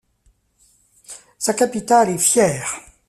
Sa capitale est Fier.